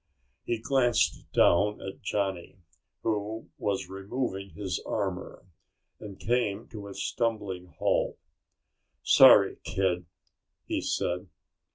He glanced down at Johnny, who was removing his armor, and came to a stumbling halt. "Sorry, kid," he said.